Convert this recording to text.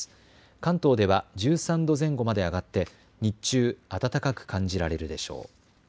関東では１３度前後まで上がって日中暖かく感じられるでしょう。